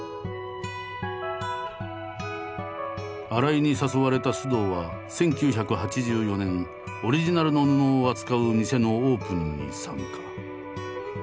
新井に誘われた須藤は１９８４年オリジナルの布を扱う店のオープンに参加。